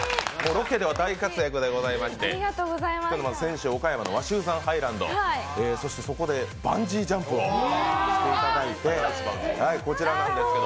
ロケでは大活躍でございまして先週、岡山の鷲羽山ハイランドそしてそこでバンジージャンプをしていただいて。